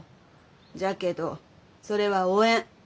じゃけどそれはおえん。